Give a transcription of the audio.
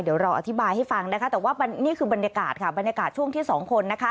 เดี๋ยวเราอธิบายให้ฟังนี่คือบรรยากาศช่วงที่๒คน